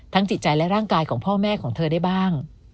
จิตใจและร่างกายของพ่อแม่ของเธอได้บ้าง